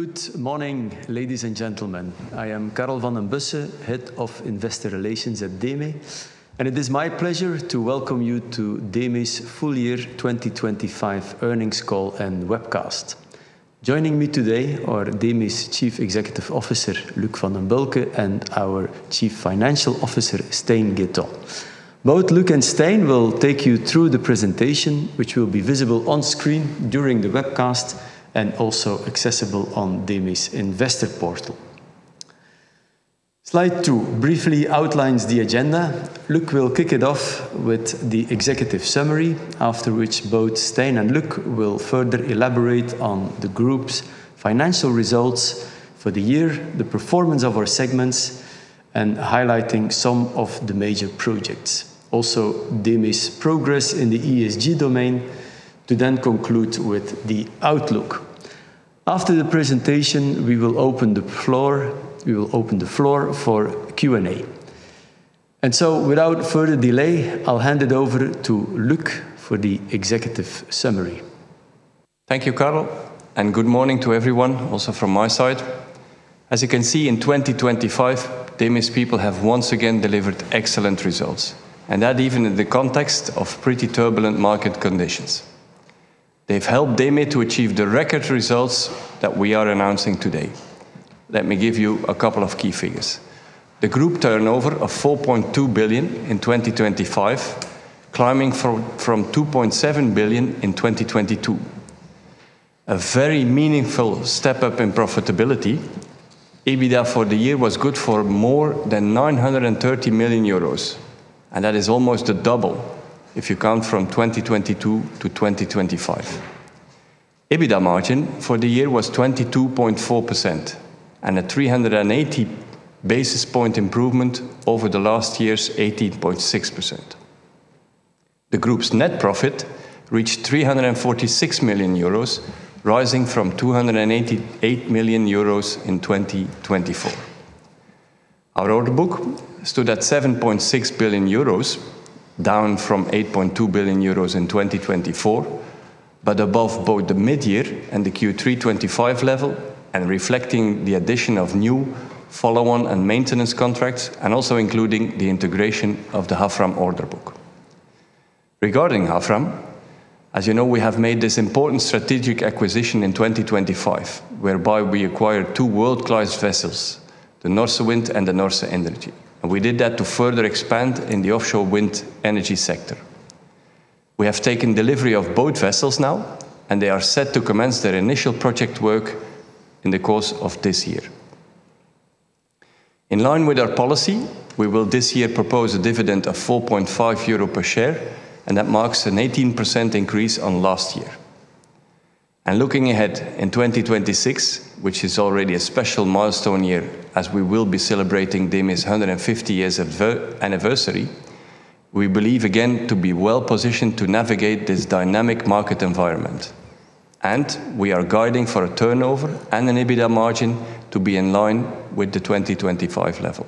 Good morning, ladies and gentlemen. I am Carl Vanden Bussche, Head of Investor Relations at DEME. It is my pleasure to welcome you to DEME's full year 2025 earnings call and webcast. Joining me today are DEME's Chief Executive Officer, Luc Vandenbulcke, and our Chief Financial Officer, Stijn Gaytant. Both Luc and Stijn will take you through the presentation, which will be visible on screen during the webcast and also accessible on DEME's investor portal. Slide 2 briefly outlines the agenda. Luc will kick it off with the executive summary, after which both Stijn and Luc will further elaborate on the group's financial results for the year, the performance of our segments, and highlighting some of the major projects. DEME's progress in the ESG domain, to then conclude with the outlook. After the presentation, we will open the floor for Q&A. Without further delay, I'll hand it over to Luc for the executive summary. Thank you, Carl, and good morning to everyone, also from my side. As you can see, in 2025, DEME's people have once again delivered excellent results, and that even in the context of pretty turbulent market conditions. They've helped DEME to achieve the record results that we are announcing today. Let me give you a couple of key figures. The group turnover of 4.20 billion in 2025, climbing from 2.7 billion in 2022. A very meaningful step up in profitability. EBITDA for the year was good for more than 930 million euros, and that is almost double if you count from 2022 to 2025. EBITDA margin for the year was 22.4% and a 380 basis point improvement over the last year's 18.6%. The group's net profit reached 346 million euros, rising from 288 million euros in 2024. Our order book stood at 7.6 billion euros, down from 8.2 billion euros in 2024, but above both the mid-year and the Q3 2025 level, and reflecting the addition of new follow-on and maintenance contracts, and also including the integration of the Havfram order book. Regarding Havfram, as you know, we have made this important strategic acquisition in 2025, whereby we acquired two world-class vessels, the Norse Wind and the Norse Energi, and we did that to further expand in the offshore wind energy sector. We have taken delivery of both vessels now, and they are set to commence their initial project work in the course of this year. In line with our policy, we will this year propose a dividend of 4.5 euro per share, that marks an 18% increase on last year. Looking ahead in 2026, which is already a special milestone year, as we will be celebrating DEME's 150 years anniversary, we believe again to be well-positioned to navigate this dynamic market environment, and we are guiding for a turnover and an EBITDA margin to be in line with the 2025 level.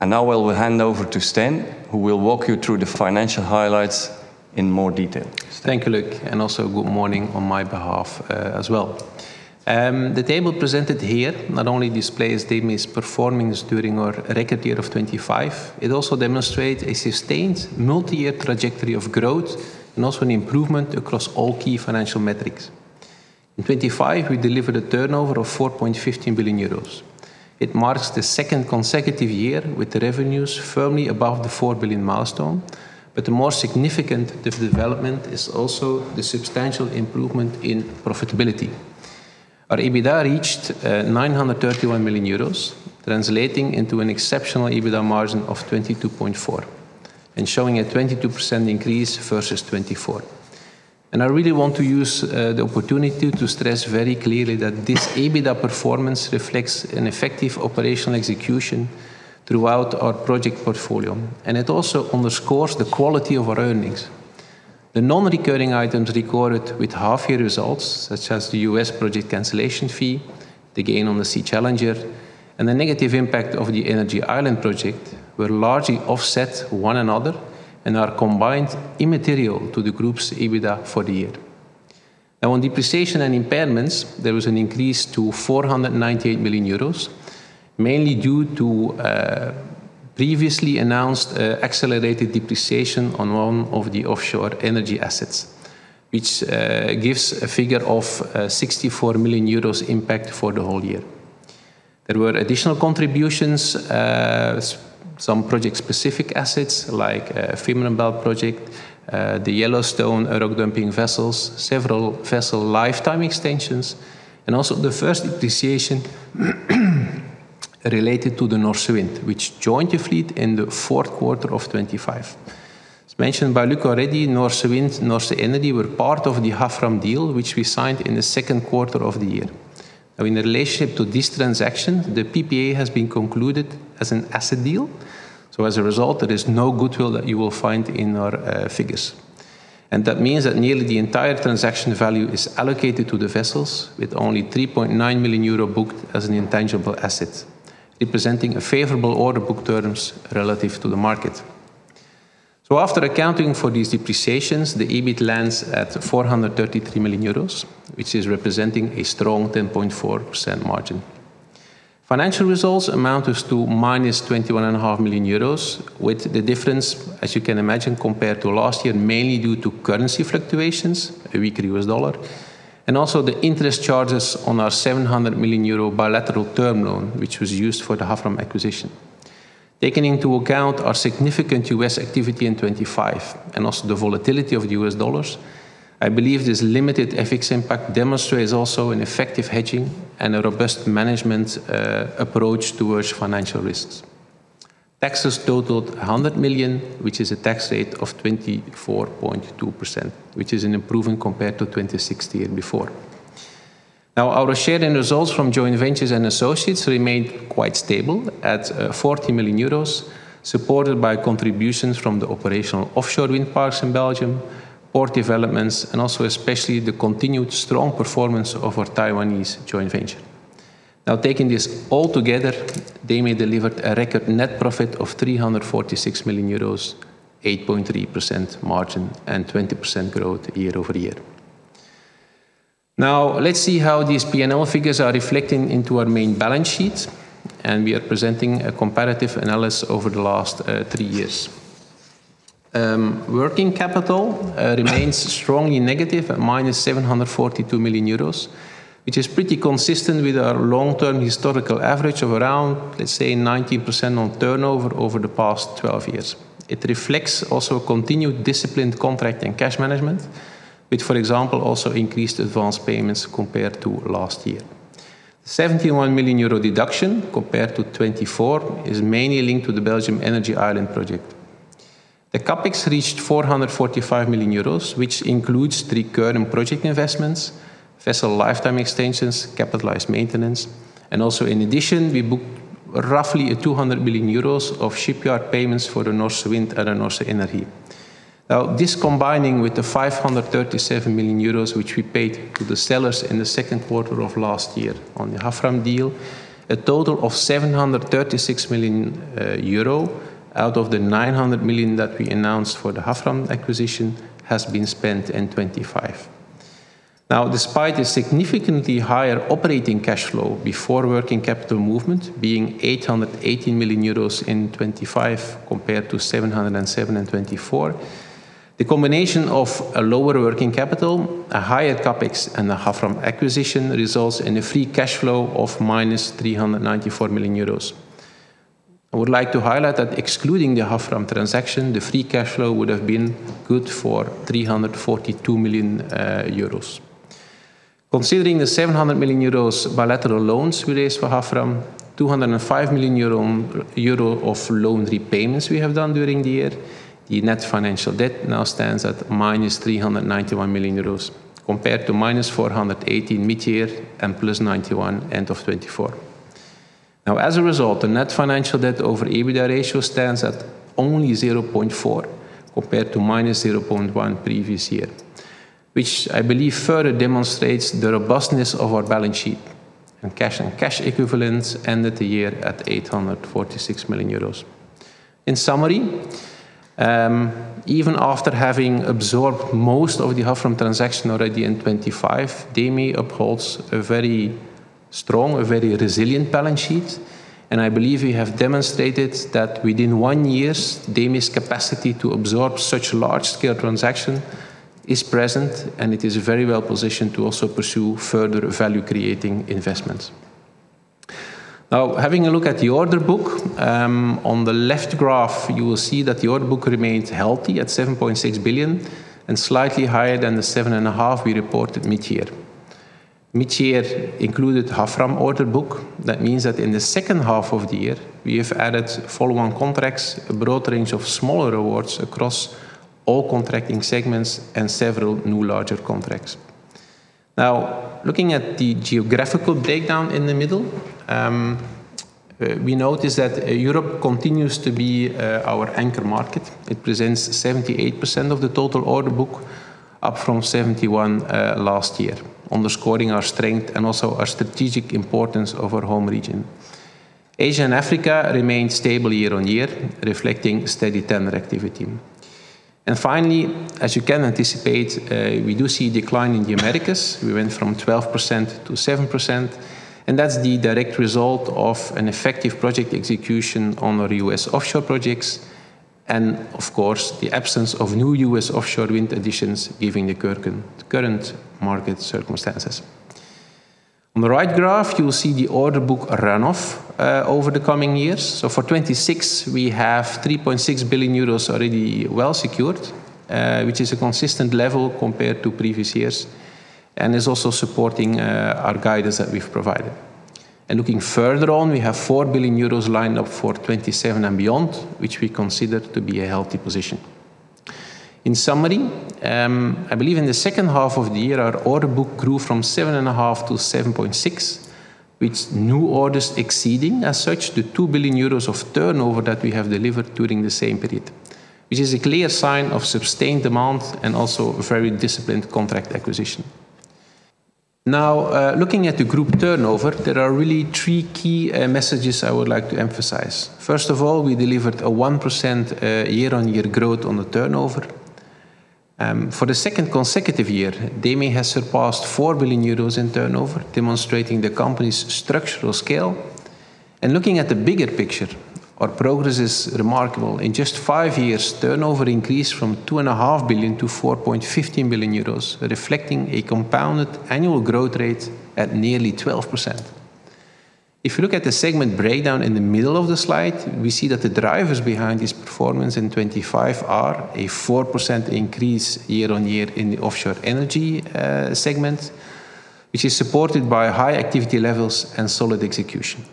Now I will hand over to Stijn, who will walk you through the financial highlights in more detail. Thank you, Luc, and also good morning on my behalf, as well. The table presented here not only displays DEME's performance during our record year of 2025, it also demonstrates a sustained multi-year trajectory of growth and also an improvement across all key financial metrics. In 2025, we delivered a turnover of 4.15 billion euros. It marks the second consecutive year with revenues firmly above the 4 billion milestone. The more significant development is also the substantial improvement in profitability. Our EBITDA reached 931 million euros, translating into an exceptional EBITDA margin of 22.4%, and showing a 22% increase versus 2024. I really want to use the opportunity to stress very clearly that this EBITDA performance reflects an effective operational execution throughout our project portfolio, and it also underscores the quality of our earnings. The non-recurring items recorded with half-year results, such as the U.S. project cancellation fee, the gain on the Sea Challenger, and the negative impact of the Energy Island project, were largely offset one another and are combined immaterial to the group's EBITDA for the year. On depreciation and impairments, there was an increase to 498 million euros, mainly due to previously announced accelerated depreciation on one of the offshore energy assets, which gives a figure of 64 million euros impact for the whole year. There were additional contributions, some project-specific assets, like the Fehmarnbelt project, the Yellowstone rock dumping vessels, several vessel lifetime extensions, and also the first depreciation related to the Norse Wind, which joined the fleet in the fourth quarter of 2025. As mentioned by Luc already, Norse Wind, Norse Energi, were part of the Havfram deal, which we signed in the second quarter of the year. In relationship to this transaction, the PPA has been concluded as an asset deal, as a result, there is no goodwill that you will find in our figures. That means that nearly the entire transaction value is allocated to the vessels, with only 3.9 million euro booked as an intangible asset, representing a favorable order book terms relative to the market. After accounting for these depreciations, the EBIT lands at 433 million euros, which is representing a strong 10.4% margin. Financial results amounted to -21.5 million euros, with the difference, as you can imagine, compared to last year, mainly due to currency fluctuations, a weaker U.S. dollar, and also the interest charges on our 700 million euro bilateral term loan, which was used for the Havfram acquisition. Taking into account our significant U.S. activity in 2025, and also the volatility of the U.S. dollar, I believe this limited FX impact demonstrates also an effective hedging and a robust management approach towards financial risks. Taxes totaled 100 million, which is a tax rate of 24.2%, which is an improvement compared to 2016 before. Our share in results from joint ventures and associates remained quite stable at 40 million euros, supported by contributions from the operational offshore wind parks in Belgium, port developments, and also especially the continued strong performance of our Taiwanese joint venture. Taking this all together, DEME delivered a record net profit of 346 million euros, 8.3% margin, and 20% growth year-over-year. Let's see how these PNL figures are reflecting into our main balance sheet, and we are presenting a comparative analysis over the last 3 years. Working capital remains strongly negative at -742 million euros, which is pretty consistent with our long-term historical average of around, let's say, 90% on turnover over the past 12 years. It reflects also continued disciplined contract and cash management, with, for example, also increased advance payments compared to last year. 71 million euro deduction compared to 2024 is mainly linked to the Belgium Energy Island project. The CapEx reached 445 million euros, which includes 3 current project investments, vessel lifetime extensions, capitalized maintenance, and also in addition, we booked roughly 200 million euros of shipyard payments for the Norse Wind and the Norse Energi. This combining with the 537 million euros, which we paid to the sellers in the 2Q 2024 on the Havfram deal, a total of 736 million euro, out of the 900 million that we announced for the Havfram acquisition, has been spent in 2025. Despite a significantly higher operating cash flow before working capital movement, being 818 million euros in 2025 compared to 707 million in 2024, the combination of a lower working capital, a higher CapEx, and the Havfram acquisition results in a free cash flow of -394 million euros. I would like to highlight that excluding the Havfram transaction, the free cash flow would have been good for 342 million euros. Considering the 700 million euros bilateral loans we raised for Havfram, 205 million euro of loan repayments we have done during the year, the net financial debt now stands at -391 million euros, compared to -418 million mid-year and +91 million end of 2024. As a result, the net financial debt over EBITDA ratio stands at only 0.4, compared to -0.1 previous year, which I believe further demonstrates the robustness of our balance sheet and cash, and cash equivalents ended the year at 846 million euros. In summary, even after having absorbed most of the Havfram transaction already in 2025, DEME upholds a very strong, a very resilient balance sheet, and I believe we have demonstrated that within one year, DEME's capacity to absorb such large-scale transaction is present, and it is very well positioned to also pursue further value-creating investments. Having a look at the order book, on the left graph, you will see that the order book remains healthy at 7.6 billion and slightly higher than the 7.5 billion we reported mid-year. Mid-year included Havfram order book. That means that in the second half of the year, we have added follow-on contracts, a broad range of smaller awards across all contracting segments and several new larger contracts. Looking at the geographical breakdown in the middle, we notice that Europe continues to be our anchor market. It presents 78% of the total order book, up from 71 last year, underscoring our strength and also our strategic importance of our home region. Asia and Africa remain stable year-on-year, reflecting steady tender activity. Finally, as you can anticipate, we do see a decline in the Americas. We went from 12% to 7%, and that's the direct result of an effective project execution on our US offshore projects, and of course, the absence of new US offshore wind additions, given the current market circumstances. On the right graph, you will see the order book run-off over the coming years. For 2026, we have 3.6 billion euros already well secured, which is a consistent level compared to previous years, and is also supporting our guidance that we've provided. Looking further on, we have 4 billion euros lined up for 2027 and beyond, which we consider to be a healthy position. In summary, I believe in the second half of the year, our order book grew from seven and a half to 7.6, with new orders exceeding as such, the 2 billion euros of turnover that we have delivered during the same period, which is a clear sign of sustained demand and also a very disciplined contract acquisition. Now, looking at the group turnover, there are really three key messages I would like to emphasize. First of all, we delivered a 1% year-on-year growth on the turnover. For the second consecutive year, DEME has surpassed 4 billion euros in turnover, demonstrating the company's structural scale. Looking at the bigger picture, our progress is remarkable. In just 5 years, turnover increased from two and a half billion to 4.15 billion euros, reflecting a compounded annual growth rate at nearly 12%. If you look at the segment breakdown in the middle of the slide, we see that the drivers behind this performance in 2025 are a 4% increase year-on-year in the offshore energy segment, which is supported by high activity levels and solid execution.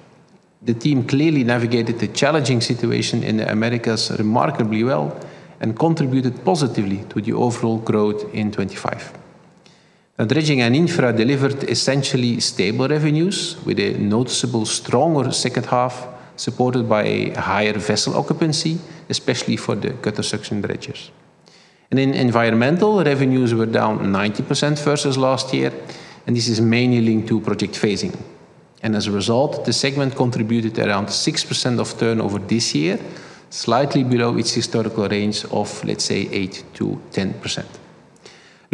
The team clearly navigated the challenging situation in the Americas remarkably well, contributed positively to the overall growth in 2025. Now, dredging and infra delivered essentially stable revenues, with a noticeable stronger second half, supported by higher vessel occupancy, especially for the cutter suction dredgers. In environmental, revenues were down 90% versus last year, and this is mainly linked to project phasing. As a result, the segment contributed around 6% of turnover this year, slightly below its historical range of, let's say, 8%-10%.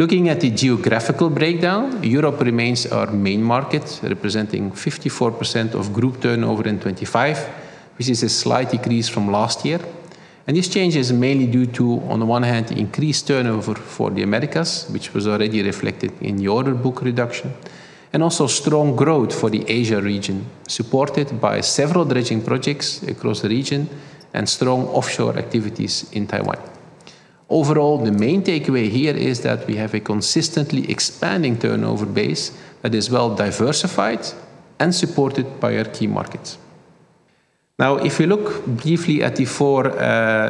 Looking at the geographical breakdown, Europe remains our main market, representing 54% of group turnover in 2025, which is a slight decrease from last year. This change is mainly due to, on the one hand, increased turnover for the Americas, which was already reflected in the order book reduction, and also strong growth for the Asia region, supported by several dredging projects across the region and strong offshore activities in Taiwan. Overall, the main takeaway here is that we have a consistently expanding turnover base that is well diversified and supported by our key markets. If we look briefly at the four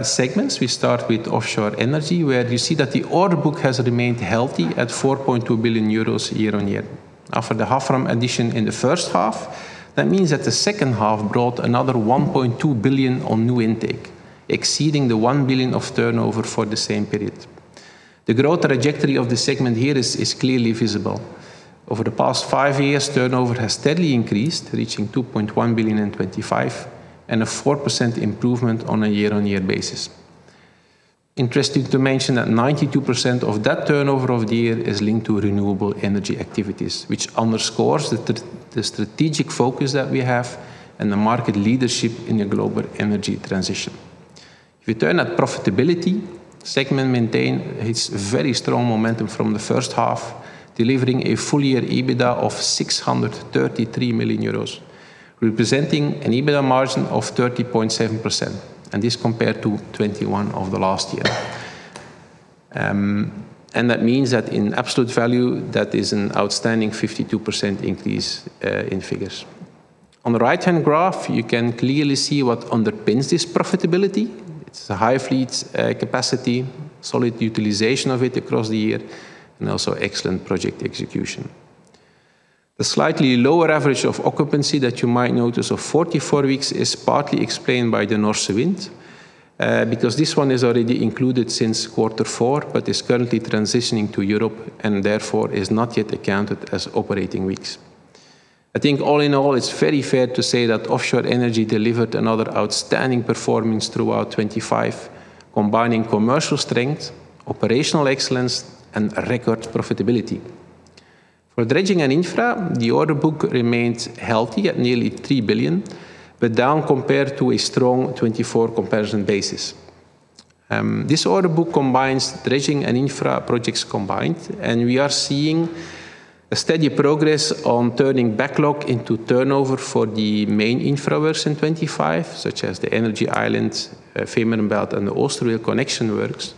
segments, we start with offshore energy, where you see that the order book has remained healthy at 4.20 billion euros year-on-year. After the Havfram addition in the first half, that means that the second half brought another 1.2 billion on new intake, exceeding 1 billion of turnover for the same period. The growth trajectory of the segment here is clearly visible. Over the past 5 years, turnover has steadily increased, reaching 2.1 billion in 2025, and a 4% improvement on a year-on-year basis. Interesting to mention that 92% of that turnover of the year is linked to renewable energy activities, which underscores the strategic focus that we have and the market leadership in the global energy transition. If we turn at profitability, segment maintained its very strong momentum from the first half, delivering a full-year EBITDA of 633 million euros, representing an EBITDA margin of 30.7%, and this compared to 21% of the last year. That means that in absolute value, that is an outstanding 52% increase in figures. On the right-hand graph, you can clearly see what underpins this profitability. It's a high fleet capacity, solid utilization of it across the year, and also excellent project execution. The slightly lower average of occupancy that you might notice of 44 weeks is partly explained by the Norse Wind, because this one is already included since Q4, but is currently transitioning to Europe and therefore is not yet accounted as operating weeks. I think all in all, it's very fair to say that offshore energy delivered another outstanding performance throughout 2025, combining commercial strength, operational excellence, and record profitability. For dredging and infra, the order book remained healthy at nearly 3 billion, down compared to a strong 2024 comparison basis. This order book combines dredging and infra projects combined, and we are seeing a steady progress on turning backlog into turnover for the main infra works in 2025, such as the Energy Islands, Fehmarnbelt, and the Oosterweel connection works,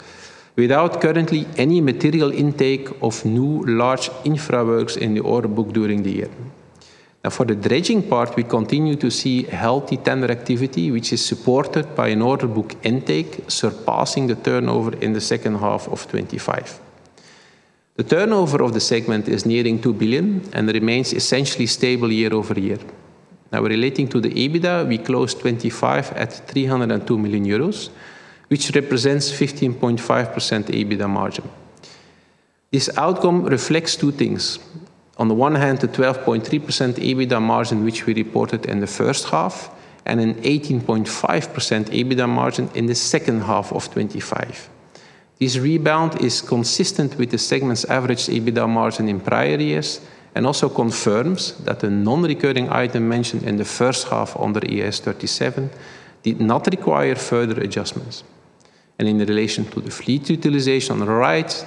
without currently any material intake of new large infra works in the order book during the year. For the dredging part, we continue to see healthy tender activity, which is supported by an order book intake surpassing the turnover in the second half of 2025. The turnover of the segment is nearing 2 billion and remains essentially stable year-over-year. Relating to the EBITDA, we closed 2025 at 302 million euros, which represents 15.5% EBITDA margin. This outcome reflects two things. On the one hand, the 12.3% EBITDA margin, which we reported in the first half, and an 18.5% EBITDA margin in the second half of 2025. This rebound is consistent with the segment's average EBITDA margin in prior years, also confirms that the non-recurring item mentioned in the first half under IAS 37 did not require further adjustments. In relation to the fleet utilization on the right,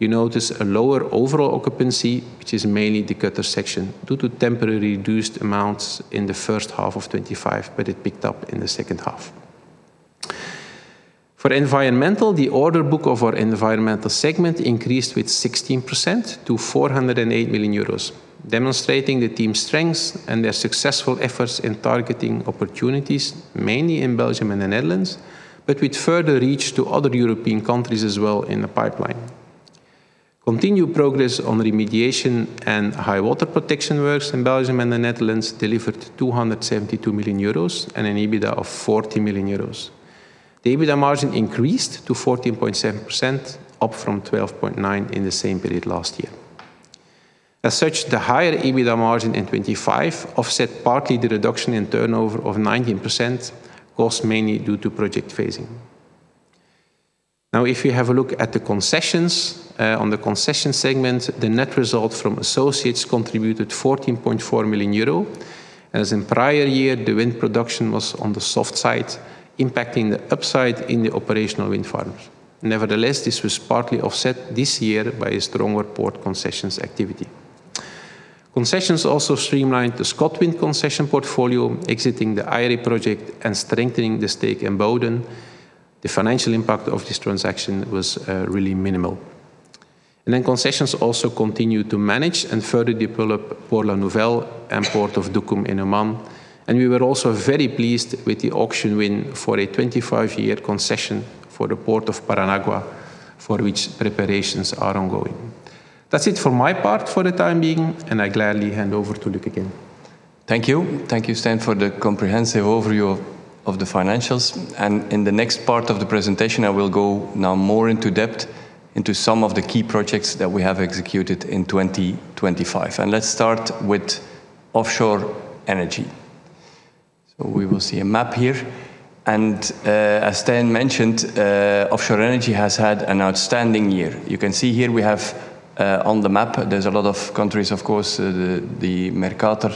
you notice a lower overall occupancy, which is mainly the cutter suction, due to temporarily reduced amounts in the first half of 2025, but it picked up in the second half. For environmental, the order book of our environmental segment increased with 16% to 408 million euros, demonstrating the team's strengths and their successful efforts in targeting opportunities, mainly in Belgium and the Netherlands, with further reach to other European countries as well in the pipeline. Continued progress on remediation and high water protection works in Belgium and the Netherlands delivered 272 million euros and an EBITDA of 40 million euros. The EBITDA margin increased to 14.7%, up from 12.9% in the same period last year. As such, the higher EBITDA margin in 2025 offset partly the reduction in turnover of 19%, caused mainly due to project phasing. If you have a look at the concessions, on the concession segment, the net result from associates contributed 14.4 million euro. As in prior year, the wind production was on the soft side, impacting the upside in the operational wind farms. Nevertheless, this was partly offset this year by a stronger port concessions activity. Concessions also streamlined the ScotWind concession portfolio, exiting the Ayre project and strengthening the stake in Buchan. The financial impact of this transaction was really minimal. Concessions also continued to manage and further develop Port La Nouvelle and Port of Duqm in Oman, and we were also very pleased with the auction win for a 25-year concession for the Port of Paranagua, for which preparations are ongoing. That's it for my part, for the time being, and I gladly hand over to Luc again. Thank you. Thank you, Stijn, for the comprehensive overview of the financials. In the next part of the presentation, I will go now more into depth into some of the key projects that we have executed in 2025. Let's start with offshore energy. We will see a map here, as Stijn mentioned, offshore energy has had an outstanding year. You can see here we have on the map, there's a lot of countries. Of course, the Mercator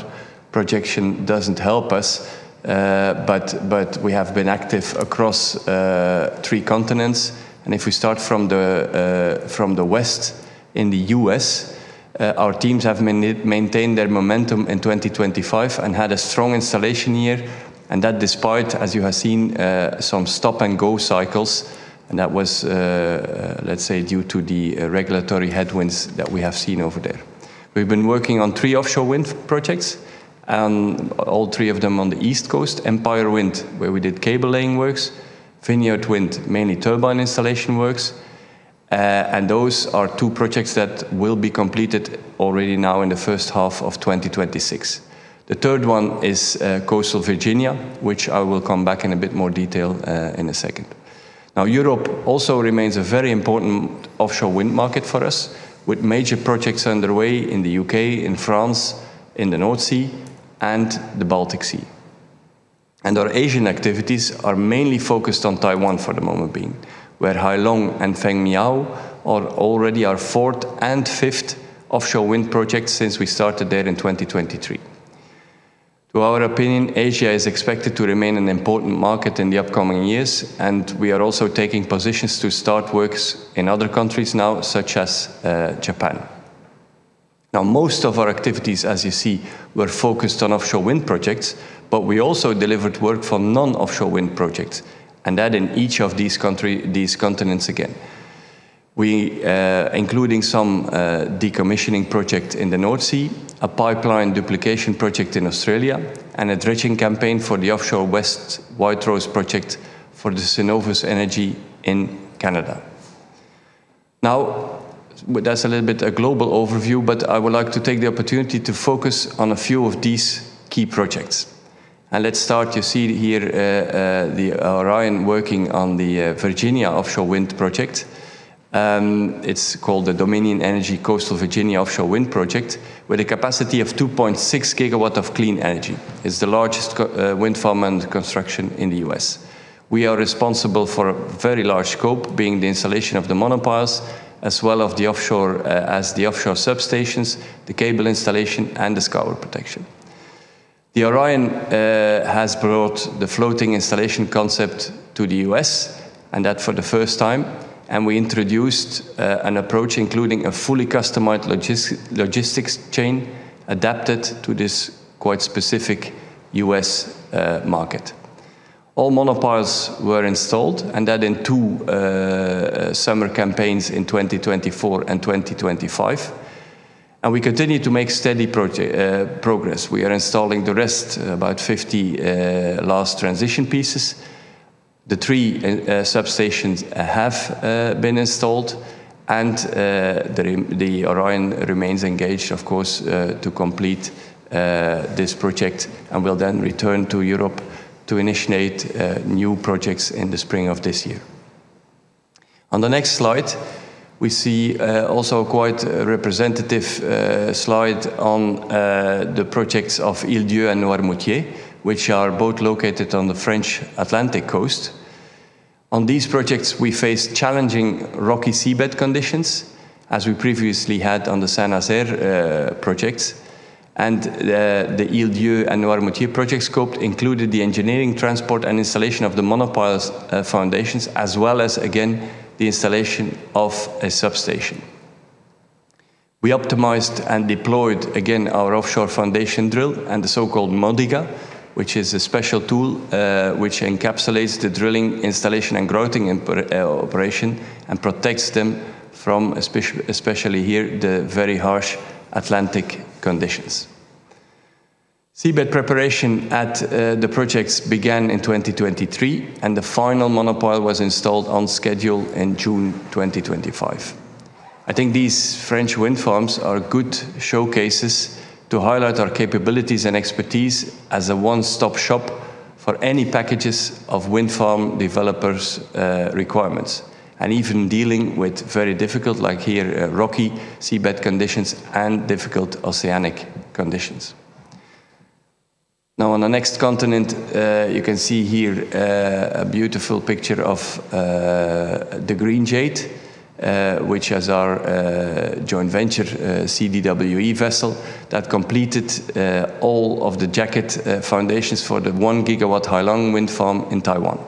projection doesn't help us, but we have been active across 3 continents, and if we start from the west, in the U.S., our teams have maintained their momentum in 2025 and had a strong installation year, and that despite, as you have seen, some stop-and-go cycles, and that was, let's say, due to the regulatory headwinds that we have seen over there. We've been working on 3 offshore wind projects, and all 3 of them on the East Coast: Empire Wind, where we did cable laying works, Vineyard Wind, mainly turbine installation works, and those are 2 projects that will be completed already now in the first half of 2026. The third one is Coastal Virginia, which I will come back in a bit more detail in a second. Europe also remains a very important offshore wind market for us, with major projects underway in the UK, in France, in the North Sea, and the Baltic Sea. Our Asian activities are mainly focused on Taiwan for the moment being, where Hailong and Fengmiao are already our 4th and 5th offshore wind projects since we started there in 2023. To our opinion, Asia is expected to remain an important market in the upcoming years, and we are also taking positions to start works in other countries now, such as Japan. Most of our activities, as you see, were focused on offshore wind projects, but we also delivered work for non-offshore wind projects, and that in each of these country, these continents, again. We, including some decommissioning project in the North Sea, a pipeline duplication project in Australia, and a dredging campaign for the Offshore West White Rose project for the Cenovus Energy in Canada. That's a little bit a global overview, but I would like to take the opportunity to focus on a few of these key projects. Let's start, you see here, the Orion working on the Virginia offshore wind project. It's called the Dominion Energy Coastal Virginia Offshore Wind project, with a capacity of 2.6 gigawatt of clean energy. It's the largest wind farm and construction in the U.S. We are responsible for a very large scope, being the installation of the monopiles, as well of the offshore as the offshore substations, the cable installation, and the scour protection. The Orion has brought the floating installation concept to the US, that for the first time, we introduced an approach, including a fully customized logistics chain, adapted to this quite specific US market. All monopiles were installed, that in 2 summer campaigns in 2024 and 2025, we continue to make steady progress. We are installing the rest, about 50 last transition pieces. The 3 substations have been installed, the Orion remains engaged, of course, to complete this project and will then return to Europe to initiate new projects in the spring of this year. On the next slide, we see also quite a representative slide on the projects of Îles d'Yeu and Noirmoutier, which are both located on the French Atlantic coast. On these projects, we face challenging rocky seabed conditions, as we previously had on the Saint-Nazaire projects, the Îles d'Yeu and Noirmoutier project scope included the engineering, transport, and installation of the monopiles foundations, as well as, again, the installation of a substation. We optimized and deployed, again, our offshore foundation drill and the so-called MODIGA, which is a special tool, which encapsulates the drilling, installation, and grouting in operation, and protects them from, especially here, the very harsh Atlantic conditions. Seabed preparation at the projects began in 2023. The final monopile was installed on schedule in June 2025. I think these French wind farms are good showcases to highlight our capabilities and expertise as a one-stop shop for any packages of wind farm developers' requirements, and even dealing with very difficult, like here, rocky seabed conditions and difficult oceanic conditions. Now, on the next continent, you can see here a beautiful picture of the Green Jade, which is our joint venture CDWE vessel that completed all of the jacket foundations for the 1-gigawatt Hailong wind farm in Taiwan.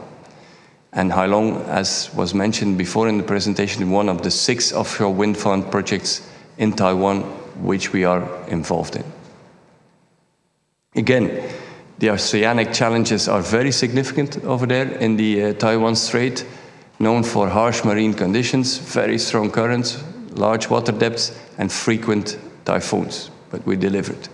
Hailong, as was mentioned before in the presentation, one of the six offshore wind farm projects in Taiwan, which we are involved in. The oceanic challenges are very significant over there in the Taiwan Strait, known for harsh marine conditions, very strong currents, large water depths, and frequent typhoons, but we delivered.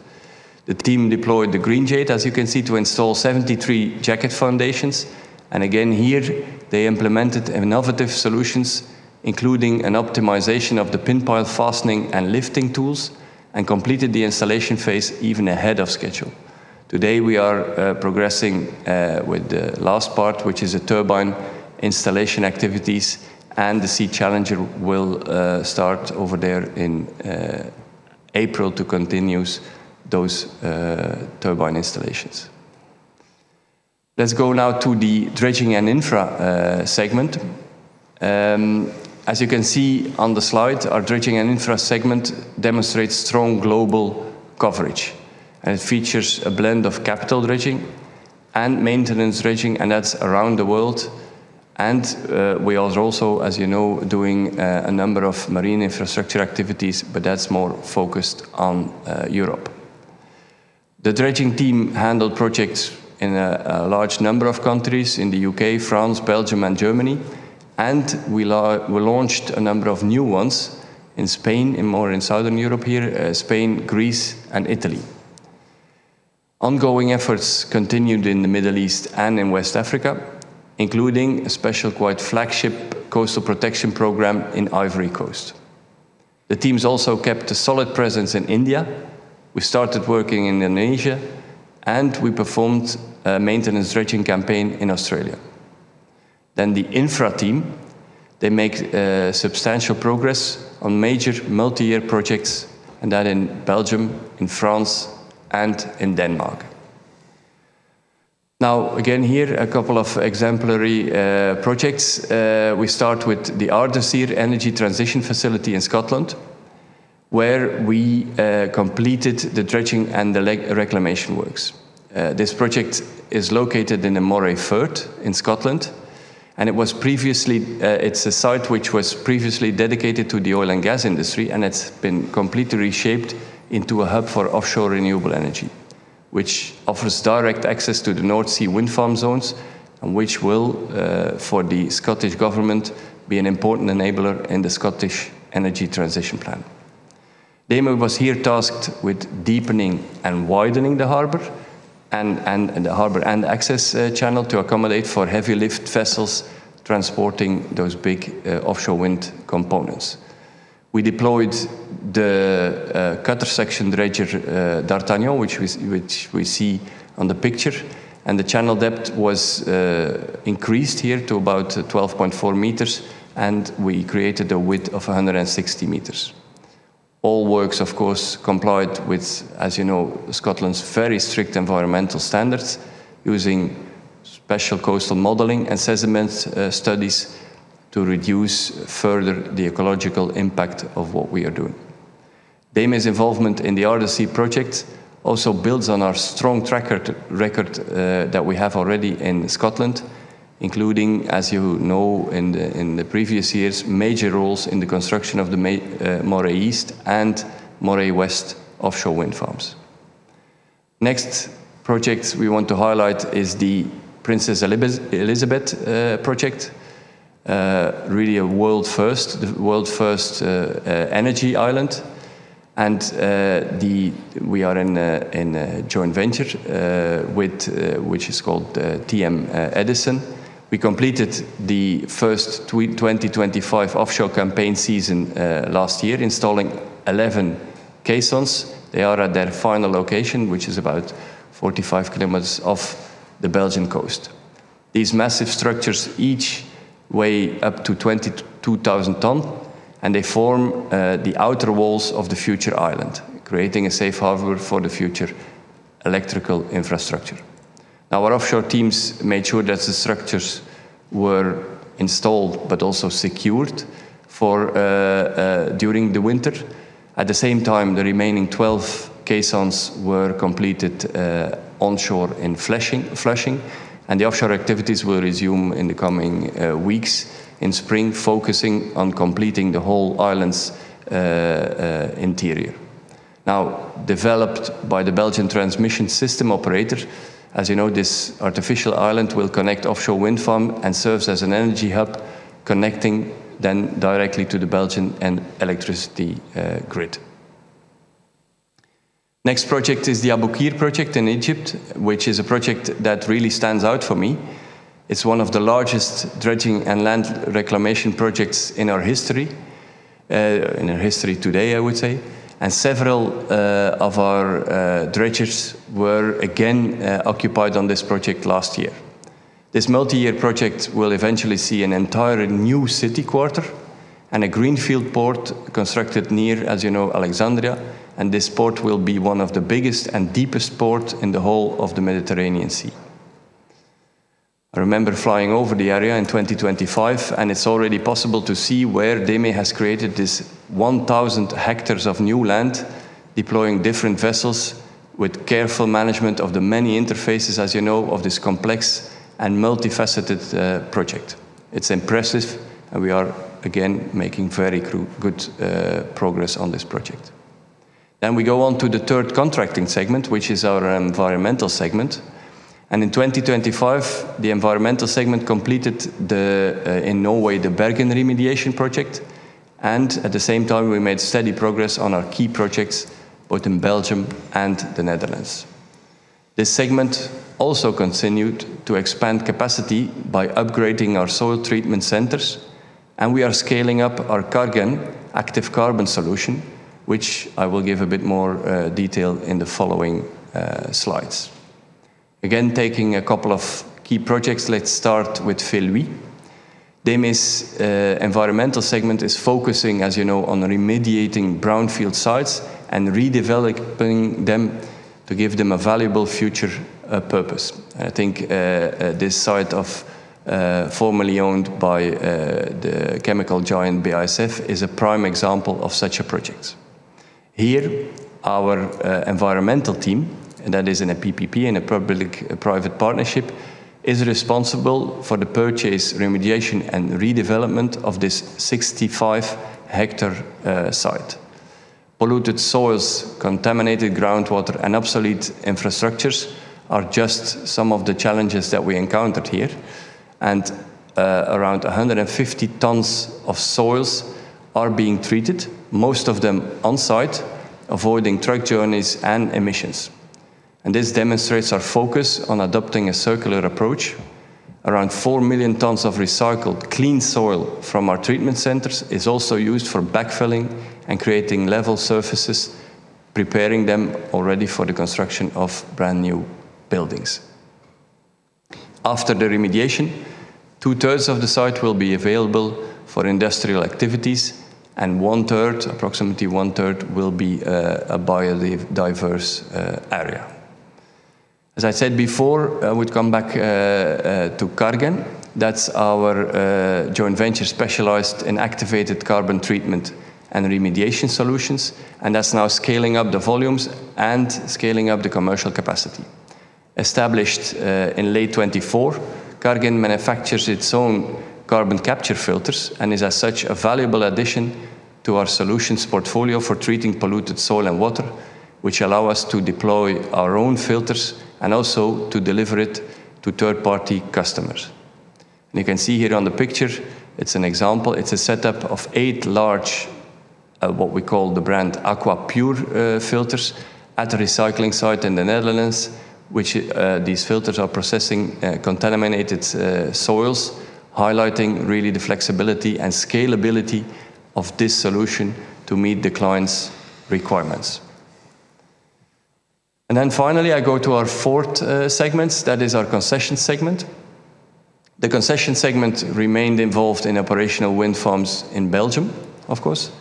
The team deployed the Green Jade, as you can see, to install 73 jacket foundations, and again, here, they implemented innovative solutions, including an optimization of the pin pile fastening and lifting tools, and completed the installation phase even ahead of schedule. Today, we are progressing with the last part, which is a turbine installation activities. The Sea Challenger will start over there in April to continue those turbine installations. Let's go now to the dredging and infra segment. As you can see on the slide, our dredging and infra segment demonstrates strong global coverage. It features a blend of capital dredging and maintenance dredging, and that's around the world. We are also, as you know, doing a number of marine infrastructure activities, but that's more focused on Europe. The dredging team handled projects in a large number of countries, in the U.K., France, Belgium, and Germany. We launched a number of new ones in Spain. More in Southern Europe here, Spain, Greece, and Italy. Ongoing efforts continued in the Middle East in West Africa, including a special quite flagship coastal protection program in Ivory Coast. The teams also kept a solid presence in India. We started working in Indonesia. We performed a maintenance dredging campaign in Australia. The infra team, they make substantial progress on major multi-year projects. That in Belgium, in France, and in Denmark. Again, here, a couple of exemplary projects. We start with the Ardersier Energy Transition Facility in Scotland, where we completed the dredging and the reclamation works. This project is located in the Moray Firth in Scotland, and it was previously. It's a site which was previously dedicated to the oil and gas industry, and it's been completely reshaped into a hub for offshore renewable energy, which offers direct access to the North Sea wind farm zones, and which will, for the Scottish government, be an important enabler in the Scottish energy transition plan. DEME was here tasked with deepening and widening the harbor and the harbor and access channel to accommodate for heavy-lift vessels transporting those big offshore wind components. We deployed the cutter suction dredger d'Artagnan, which we see on the picture. The channel depth was increased here to about 12.4 meters. We created a width of 160 meters. All works, of course, complied with, as you know, Scotland's very strict environmental standards, using special coastal modeling and assessments studies, to reduce further the ecological impact of what we are doing. DEME's involvement in the Ardersier project also builds on our strong track record that we have already in Scotland, including, as you know, in the previous years, major roles in the construction of the Moray East and Moray West offshore wind farms. Next project we want to highlight is the Princess Elisabeth project. Really a world-first, the world's first energy island. We are in a joint venture with which is called TM Edison. We completed the first 2025 offshore campaign season last year, installing 11 caissons. They are at their final location, which is about 45 km off the Belgian coast. These massive structures each weigh up to 22,000 tons, and they form the outer walls of the future island, creating a safe harbor for the future electrical infrastructure. Our offshore teams made sure that the structures were installed but also secured during the winter. At the same time, the remaining 12 caissons were completed onshore in Flushing, the offshore activities will resume in the coming weeks in spring, focusing on completing the whole island's interior. Developed by the Belgian transmission system operator, as you know, this artificial island will connect offshore wind farm and serves as an energy hub, connecting directly to the Belgian electricity grid. Next project is the Abu Qir project in Egypt, which is a project that really stands out for me. It's one of the largest dredging and land reclamation projects in our history, in our history today, I would say. Several of our dredgers were again occupied on this project last year. This multi-year project will eventually see an entire new city quarter and a greenfield port constructed near, as you know, Alexandria. This port will be one of the biggest and deepest port in the whole of the Mediterranean Sea. I remember flying over the area in 2025. It's already possible to see where DEME has created this 1,000 hectares of new land, deploying different vessels with careful management of the many interfaces, as you know, of this complex and multifaceted project. It's impressive. We are, again, making very good progress on this project. We go on to the third contracting segment, which is our environmental segment. In 2025, the environmental segment completed the in Norway, the Bergen remediation project, and at the same time, we made steady progress on our key projects, both in Belgium and the Netherlands. This segment also continued to expand capacity by upgrading our soil treatment centers, and we are scaling up our Cargen active carbon solution, which I will give a bit more detail in the following slides. Again, taking a couple of key projects, let's start with Feluy. DEME's environmental segment is focusing, as you know, on remediating brownfield sites and redeveloping them to give them a valuable future purpose. I think this site formerly owned by the chemical giant BASF is a prime example of such a project. Here, our environmental team, that is in a PPP, in a public-private partnership, is responsible for the purchase, remediation, and redevelopment of this 65-hectare site. Polluted soils, contaminated groundwater, and obsolete infrastructures are just some of the challenges that we encountered here, and around 150 tons of soils are being treated, most of them on-site, avoiding truck journeys and emissions. This demonstrates our focus on adopting a circular approach. Around 4 million tons of recycled clean soil from our treatment centers is also used for backfilling and creating level surfaces, preparing them already for the construction of brand-new buildings. After the remediation, 2/3 of the site will be available for industrial activities, and 1/3, approximately 1/3, will be a biodiverse area. As I said before, I would come back to Cargen. That's our joint venture specialized in activated carbon treatment and remediation solutions, and that's now scaling up the volumes and scaling up the commercial capacity. Established in late 2024, Cargen manufactures its own carbon capture filters and is, as such, a valuable addition to our solutions portfolio for treating polluted soil and water, which allow us to deploy our own filters and also to deliver it to third-party customers. You can see here on the picture, it's an example. It's a setup of eight large, what we call the brand Aquapure, filters, at a recycling site in the Netherlands, which, these filters are processing, contaminated, soils, highlighting really the flexibility and scalability of this solution to meet the client's requirements. Finally, I go to our fourth, segment. That is our concession segment. The concession segment remained involved in operational wind farms in Belgium, of course,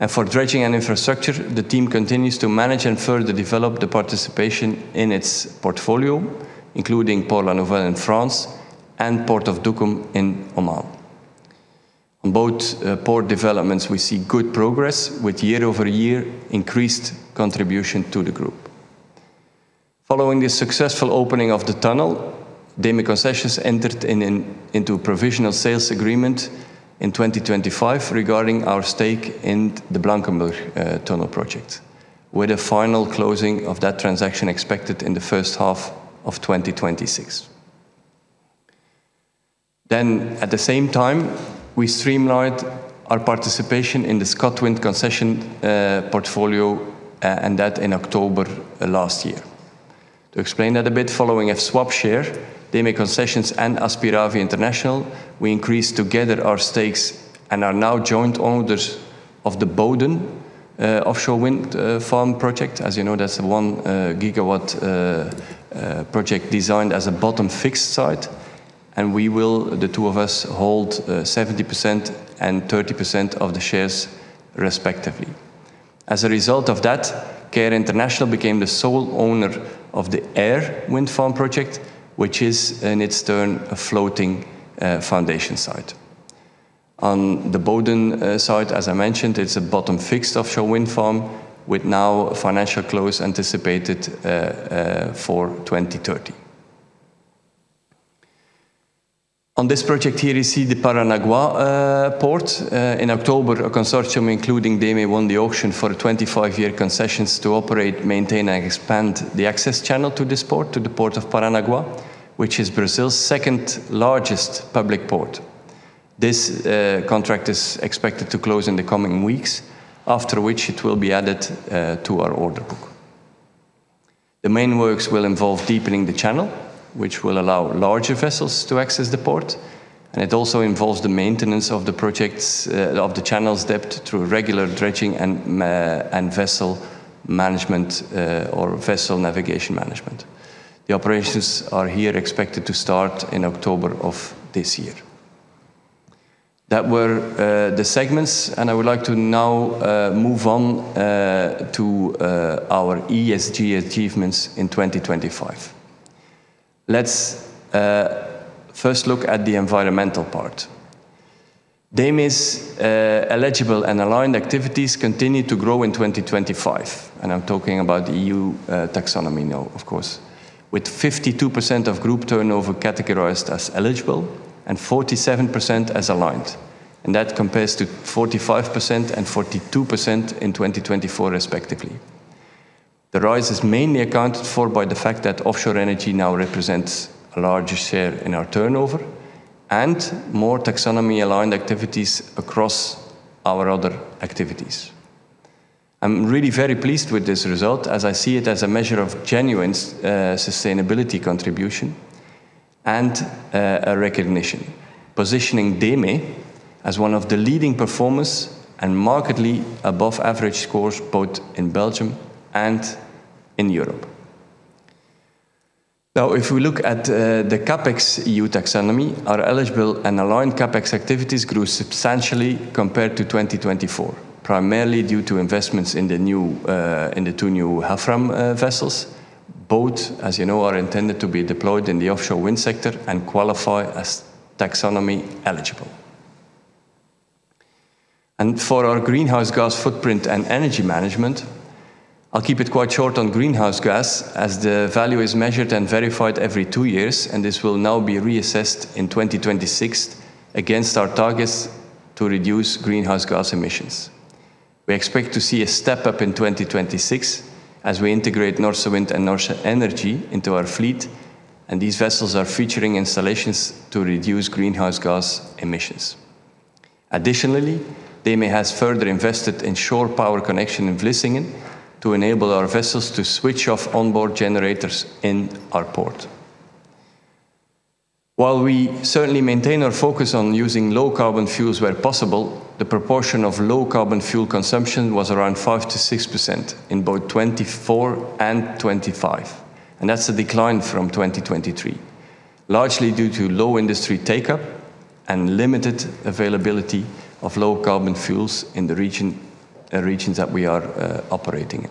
and for dredging and infrastructure, the team continues to manage and further develop the participation in its portfolio, including Port La Nouvelle in France and Port of Duqm in Oman. On both, port developments, we see good progress with year-over-year increased contribution to the group. Following the successful opening of the tunnel, DEME Concessions entered into a provisional sales agreement in 2025 regarding our stake in the Blankenberghe tunnel project, with a final closing of that transaction expected in the first half of 2026. At the same time, we streamlined our participation in the ScotWind concession portfolio, and that in October last year. To explain that a bit, following a swap share, DEME Concessions and Aspiravi International, we increased together our stakes and are now joint owners of the Buchan offshore wind farm project. As you know, that's a 1 gigawatt project designed as a bottom-fixed site, and we will, the two of us, hold 70% and 30% of the shares, respectively. Result of that, Aspiravi International became the sole owner of the Ayre wind farm project, which is, in its turn, a floating foundation site. On the Buchan site, as I mentioned, it's a bottom-fixed offshore wind farm with now financial close anticipated for 2030. On this project here, you see the Paranagua port. In October, a consortium, including DEME, won the auction for a 25-year concessions to operate, maintain, and expand the access channel to this port, to the Port of Paranagua, which is Brazil's second-largest public port. This contract is expected to close in the coming weeks, after which it will be added to our order book. The main works will involve deepening the channel, which will allow larger vessels to access the port, and it also involves the maintenance of the channel's depth through regular dredging and vessel management, or vessel navigation management. The operations are here expected to start in October of this year. That were the segments, and I would like to now move on to our ESG achievements in 2025. Let's first look at the environmental part. DEME's eligible and aligned activities continued to grow in 2025, and I'm talking about the EU taxonomy now, of course, with 52% of group turnover categorized as eligible and 47% as aligned, and that compares to 45% and 42% in 2024 respectively. The rise is mainly accounted for by the fact that offshore energy now represents a larger share in our turnover and more taxonomy-aligned activities across our other activities. I'm really very pleased with this result, as I see it as a measure of genuine sustainability contribution and a recognition, positioning DEME as one of the leading performers and markedly above-average scores both in Belgium and in Europe. If we look at the CapEx EU taxonomy, our eligible and aligned CapEx activities grew substantially compared to 2024, primarily due to investments in the two new Havfram vessels. Both, as you know, are intended to be deployed in the offshore wind sector and qualify as taxonomy-eligible. For our greenhouse gas footprint and energy management, I'll keep it quite short on greenhouse gas, as the value is measured and verified every 2 years, and this will now be reassessed in 2026 against our targets to reduce greenhouse gas emissions. We expect to see a step-up in 2026 as we integrate Norse Wind and Norse Energi into our fleet, and these vessels are featuring installations to reduce greenhouse gas emissions. Additionally, DEME has further invested in shore power connection in Vlissingen to enable our vessels to switch off onboard generators in our port. While we certainly maintain our focus on using low-carbon fuels where possible, the proportion of low-carbon fuel consumption was around 5%-6% in both 2024 and 2025, and that's a decline from 2023, largely due to low industry take-up and limited availability of low-carbon fuels in the regions that we are operating in.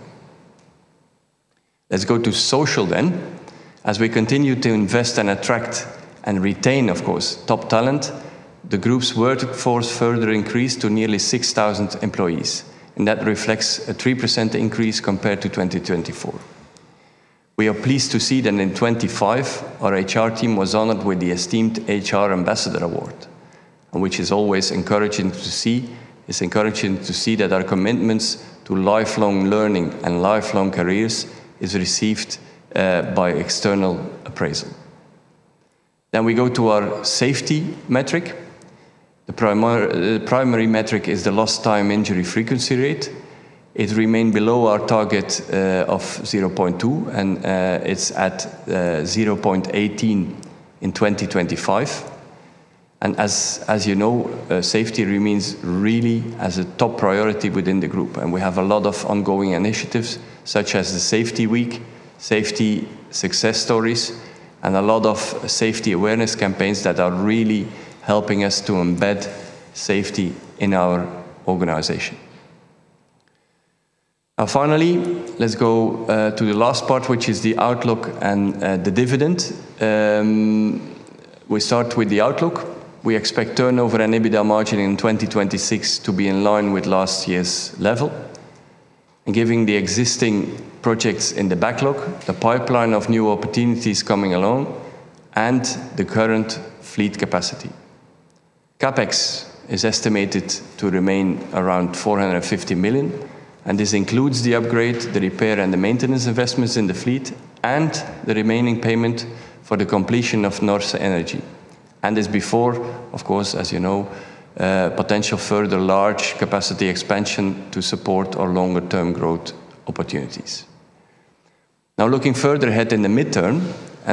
Let's go to social. As we continue to invest and attract and retain, of course, top talent, the group's workforce further increased to nearly 6,000 employees, and that reflects a 3% increase compared to 2024. We are pleased to see that in 2025, our HR team was honored with the esteemed HR Ambassador Award, which is always encouraging to see. It's encouraging to see that our commitments to lifelong learning and lifelong careers is received by external appraisal. We go to our safety metric. The primary metric is the lost time injury frequency rate. It remained below our target of 0.2, and it's at 0.18 in 2025. As you know, safety remains really as a top priority within the group, and we have a lot of ongoing initiatives, such as the Safety Week, safety success stories, and a lot of safety awareness campaigns that are really helping us to embed safety in our organization. Finally, let's go to the last part, which is the outlook and the dividend. We start with the outlook. We expect turnover and EBITDA margin in 2026 to be in line with last year's level, giving the existing projects in the backlog, the pipeline of new opportunities coming along, and the current fleet capacity. CapEx is estimated to remain around 450 million, this includes the upgrade, the repair, and the maintenance investments in the fleet, and the remaining payment for the completion of Norse Energi. As before, of course, as you know, potential further large capacity expansion to support our longer-term growth opportunities. Looking further ahead in the mid-term,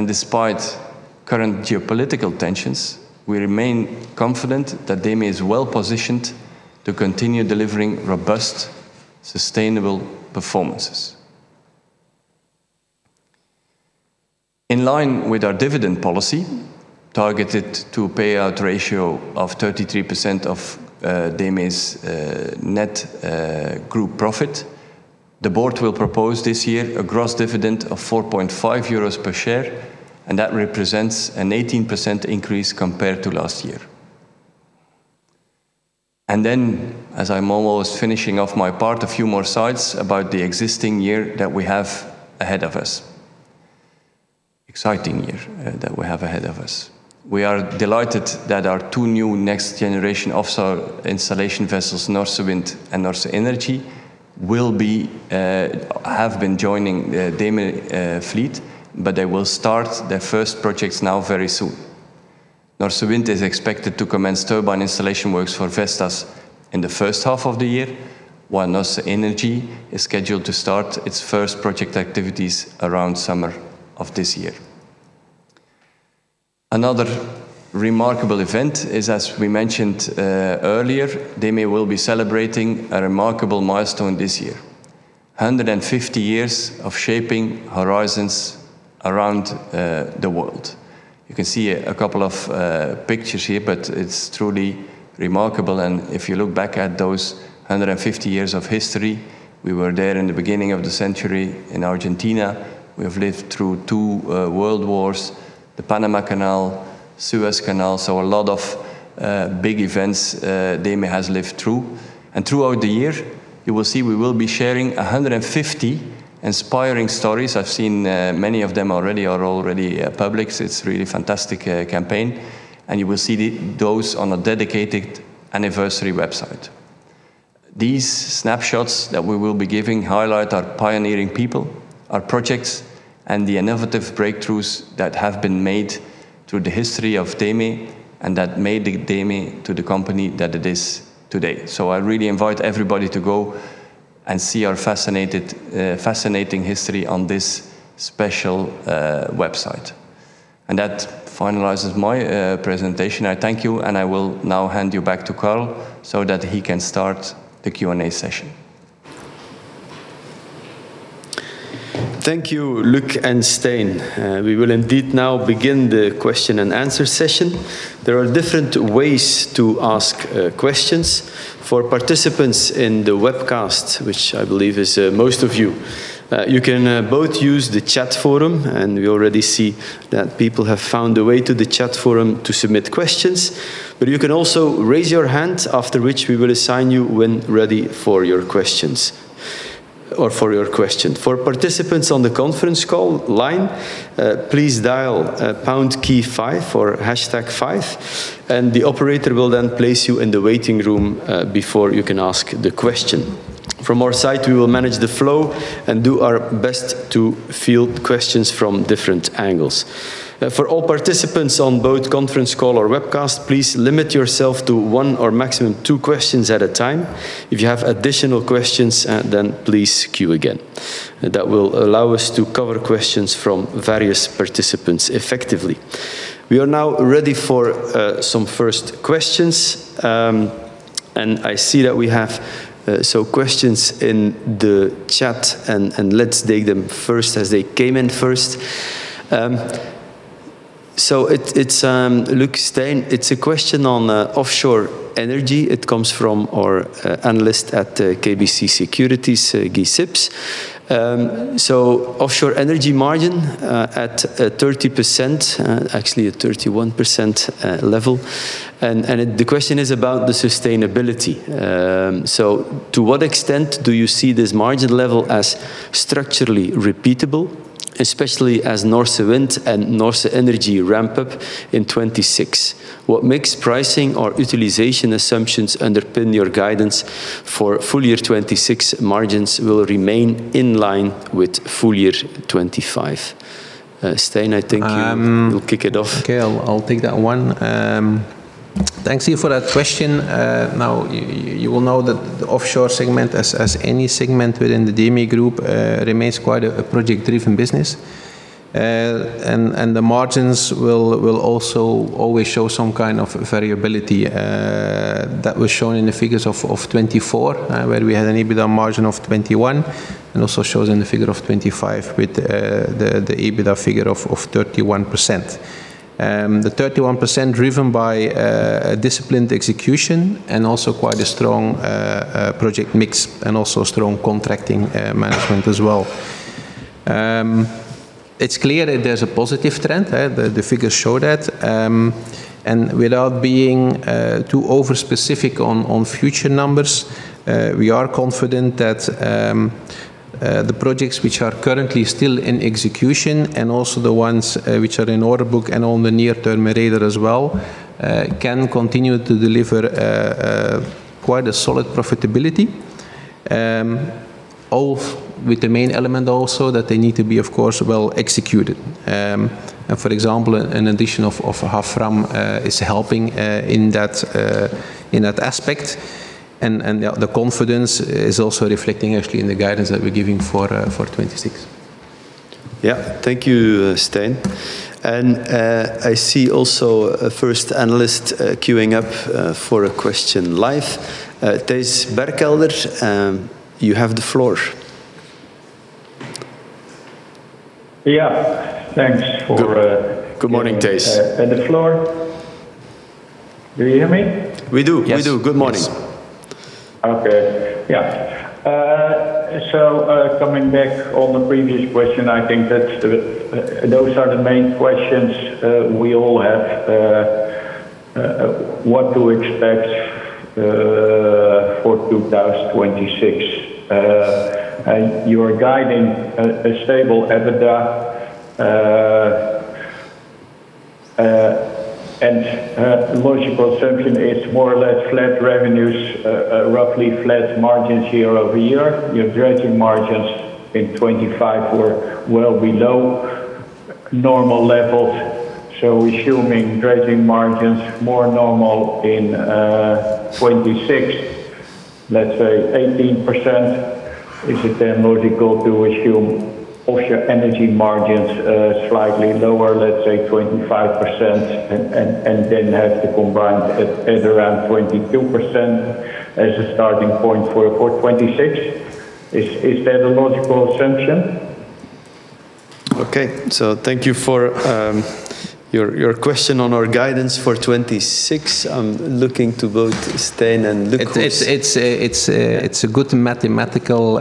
despite current geopolitical tensions, we remain confident that DEME is well-positioned to continue delivering robust, sustainable performances. In line with our dividend policy, targeted to payout ratio of 33% of DEME's net group profit, the board will propose this year a gross dividend of 4.5 euros per share, that represents an 18% increase compared to last year. As I'm almost finishing off my part, a few more slides about the existing year that we have ahead of us. Exciting year that we have ahead of us. We are delighted that our two new next-generation offshore installation vessels, Norse Wind and Norse Energi will have been joining DEME fleet, but they will start their first projects now very soon. Norse Wind is expected to commence turbine installation works for Vestas in the first half of the year, while Norse Energi is scheduled to start its first project activities around summer of this year. Another remarkable event is, as we mentioned earlier, DEME will be celebrating a remarkable milestone this year, 150 years of shaping horizons around the world. You can see a couple of pictures here, but it's truly remarkable, and if you look back at those 150 years of history, we were there in the beginning of the century in Argentina. We have lived through two world wars, the Panama Canal, Suez Canal, so a lot of big events DEME has lived through. Throughout the year, you will see we will be sharing 150 inspiring stories. I've seen many of them are already public, so it's a really fantastic campaign, and you will see those on a dedicated anniversary website. These snapshots that we will be giving highlight our pioneering people, our projects, and the innovative breakthroughs that have been made through the history of DEME and that made the DEME to the company that it is today. I really invite everybody to go and see our fascinating history on this special website. That finalizes my presentation. I thank you, and I will now hand you back to Carl, so that he can start the Q&A session. Thank you, Luc and Stijn. We will indeed now begin the question-and-answer session. There are different ways to ask questions. For participants in the webcast, which I believe is most of you can both use the chat forum, and we already see that people have found a way to the chat forum to submit questions. You can also raise your hand, after which we will assign you when ready for your questions or for your question. For participants on the conference call line, please dial pound key five or hashtag five, and the operator will then place you in the waiting room before you can ask the question. From our side, we will manage the flow and do our best to field questions from different angles. For all participants on both conference call or webcast, please limit yourself to one or maximum two questions at a time. If you have additional questions, then please queue again. That will allow us to cover questions from various participants effectively. We are now ready for some first questions, and I see that we have so questions in the chat, and let's take them first as they came in first. It's, it's, Luc, Stijn, it's a question on offshore energy. It comes from our analyst at KBC Securities, Guy Sips. Offshore energy margin at 30%, actually at 31% level. The question is about the sustainability. To what extent do you see this margin level as structurally repeatable, especially as Norse Wind and Norse Energi ramp up in 2026? What mix pricing or utilization assumptions underpin your guidance for full year 2026 margins will remain in line with full year 2025? Stijn, I think will kick it off. Okay, I'll take that one. Thank you for that question. Now, you will know that the offshore segment, as any segment within the DEME Group, remains quite a project-driven business. The margins will also always show some kind of variability that was shown in the figures of 2024, where we had an EBITDA margin of 21%, and also shows in the figure of 2025 with the EBITDA figure of 31%. The 31% driven by a disciplined execution and also quite a strong project mix and also strong contracting management as well. It's clear that there's a positive trend, the figures show that. Without being too over-specific on future numbers, we are confident that the projects which are currently still in execution and also the ones which are in order book and on the near-term radar as well, can continue to deliver quite a solid profitability, all with the main element also that they need to be, of course, well-executed. For example, an addition of Havfram is helping in that aspect, and the confidence is also reflecting actually in the guidance that we're giving for 2026. Yeah. Thank you, Stijn. I see also a first analyst queuing up for a question live. Thijs Berkelder, you have the floor. Yeah, thanks for. Good morning, Thijs. The floor. Do you hear me? We do. Yes. We do. Good morning. Okay. Yeah. Coming back on the previous question, I think that's the, those are the main questions, we all have, what to expect for 2026. You are guiding a stable EBITDA and, the logical assumption is more or less flat revenues, roughly flat margins year-over-year. Your dredging margins in 2025 were well below normal levels, so assuming dredging margins more normal in 2026, let's say 18%. Is it then logical to assume offshore energy margins, slightly lower, let's say 25%, and then have to combine at around 22% as a starting point for 2026? Is that a logical assumption? Okay, thank you for your question on our guidance for 2026. I'm looking to both Stijn and Luc. It's a good mathematical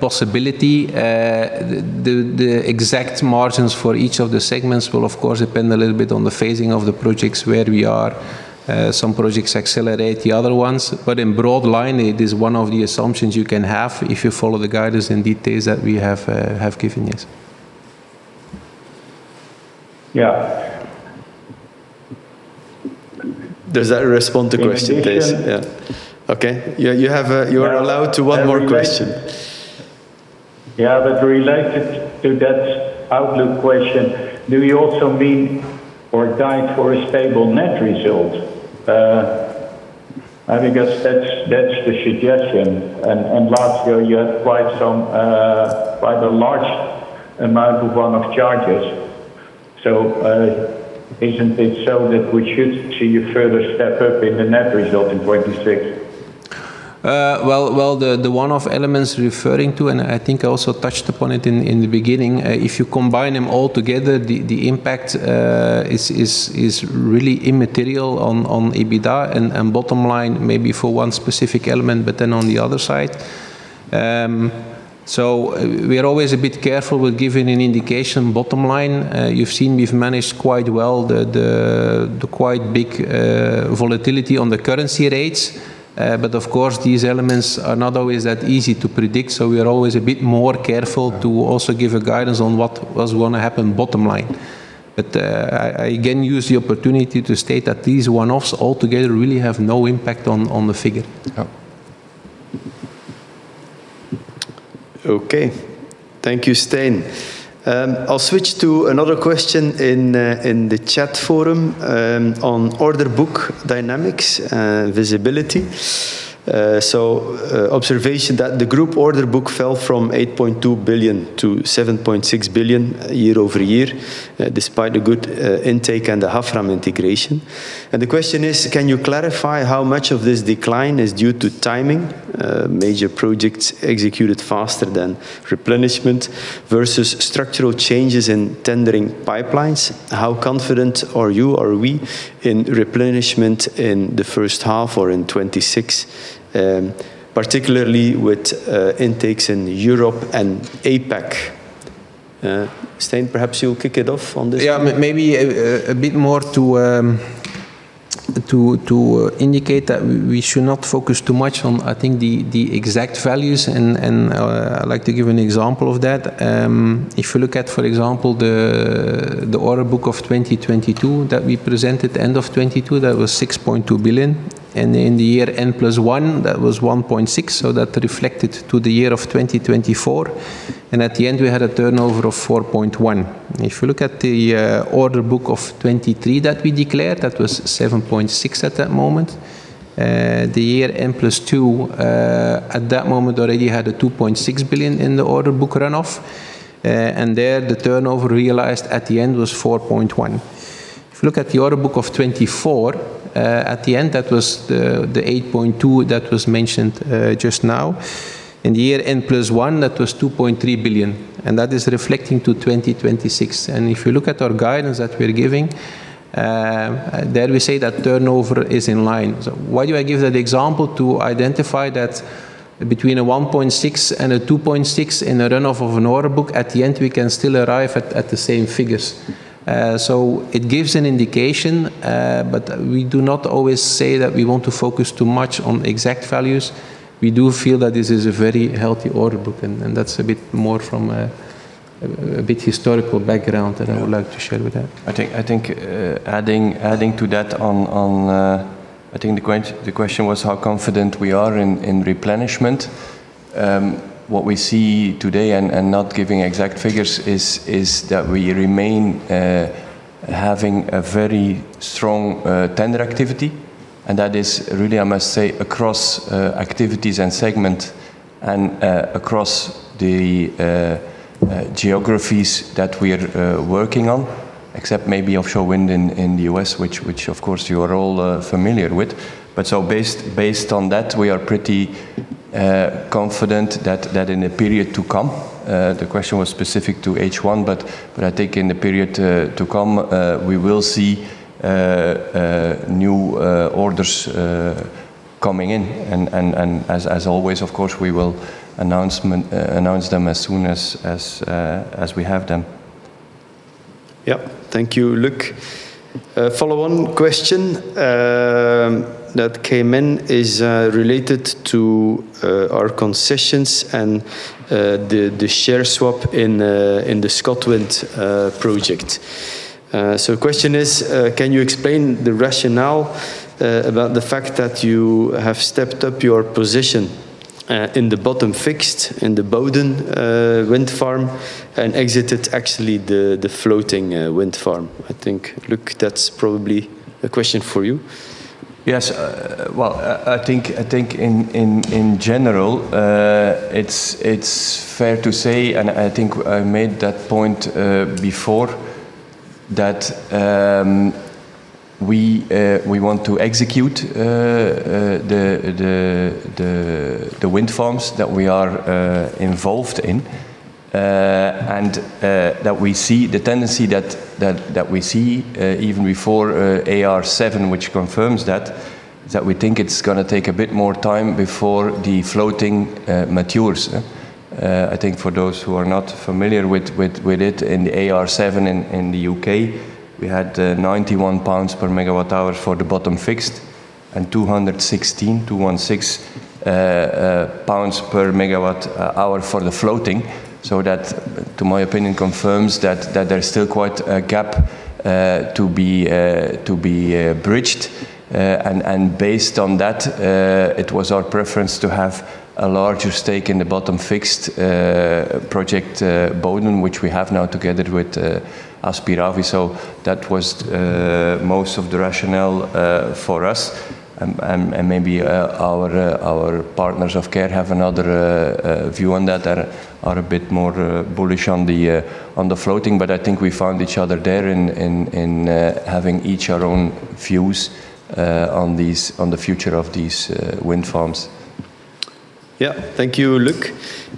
possibility. The exact margins for each of the segments will, of course, depend a little bit on the phasing of the projects where we are. Some projects accelerate the other ones, but in broad line, it is one of the assumptions you can have if you follow the guidance and details that we have given, yes. Yeah. Does that respond to question, please? Yeah. Okay. Yeah, you are allowed to one more question. Yeah, related to that outlook question, do you also mean or guide for a stable net result? I think that's the suggestion, and last year you had quite some, quite a large amount of one-off charges. Isn't it so that we should see a further step up in the net result in 2026? Well, the one-off elements referring to, I think I also touched upon it in the beginning, if you combine them all together, the impact is really immaterial on EBITDA and bottom line, maybe for one specific element, but then on the other side. We are always a bit careful with giving an indication bottom line. You've seen we've managed quite well the quite big volatility on the currency rates. Of course, these elements are not always that easy to predict, so we are always a bit more careful to also give a guidance on what was going to happen bottom line. I again use the opportunity to state that these one-offs all together really have no impact on the figure. Yeah. Okay. Thank you, Stijn. I'll switch to another question in the chat forum on order book dynamics, visibility. Observation that the group order book fell from 8.2 billion to 7.6 billion year-over-year, despite a good intake and the Hafslund integration. The question is: can you clarify how much of this decline is due to timing, major projects executed faster than replenishment, versus structural changes in tendering pipelines? How confident are you or we in replenishment in the first half or in 2026, particularly with intakes in Europe and APAC? Stijn, perhaps you'll kick it off on this one. Maybe a bit more to indicate that we should not focus too much on, I think, the exact values, and I'd like to give an example of that. If you look at, for example, the order book of 2022 that we presented, end of 2022, that was 6.2 billion, and in the year n plus one, that was 1.6 billion, so that reflected to the year of 2024, and at the end, we had a turnover of 4.1 billion. If you look at the order book of 2023 that we declared, that was 7.6 billion at that moment. The year n plus two, at that moment, already had a 2.6 billion in the order book run-off, and there, the turnover realized at the end was 4.1 billion. If you look at the order book of 2024, at the end, that was the 8.2 billion that was mentioned just now. In the year n plus one, that was 2.3 billion, and that is reflecting to 2026. If you look at our guidance that we are giving, there we say that turnover is in line. Why do I give that example? To identify that between a 1.6 billion and a 2.6 billion in a run-off of an order book, at the end, we can still arrive at the same figures. It gives an indication, but we do not always say that we want to focus too much on exact values. We do feel that this is a very healthy order book, and that's a bit more from a bit historical background that I would like to share with that. I think adding to that on, I think the question was how confident we are in replenishment. What we see today, and not giving exact figures, is that we remain having a very strong tender activity, and that is really, I must say, across activities and segment and across the geographies that we are working on, except maybe offshore wind in the U.S., which of course you are all familiar with. Based on that, we are pretty confident that in the period to come, the question was specific to H1, but I think in the period to come, we will see new orders coming in. As always, of course, we will announce them as soon as we have them. Yeah. Thank you, Luc. follow-on question that came in is related to our concessions and the share swap in the Scotland project. Question is, can you explain the rationale about the fact that you have stepped up your position in the bottom-fixed, in the Buchan wind farm, and exited actually the floating wind farm? I think, Luc, that's probably a question for you. Yes. Well, I think in general, it's fair to say, and I think I made that point before, that we want to execute the wind farms that we are involved in. That we see the tendency that we see even before AR7, which confirms that, is that we think it's gonna take a bit more time before the floating matures. I think for those who are not familiar with it, in the AR7 in the UK, we had 91 pounds per megawatt hour for the bottom-fixed, and 216 per megawatt hour for the floating. That, to my opinion, confirms that there's still quite a gap to be bridged. Based on that, it was our preference to have a larger stake in the bottom-fixed project, Buchan, which we have now together with Aspiravi. That was most of the rationale for us, and maybe our partners of Qair have another view on that, are a bit more bullish on the floating. I think we found each other there in having each our own views on the future of these wind farms. Yeah. Thank you, Luc.